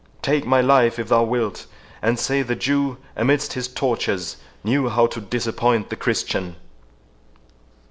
Take my life if thou wilt, and say, the Jew, amidst his tortures, knew how to disappoint the Christian."